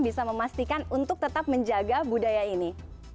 bisa memastikan untuk tetap menjaga budaya ini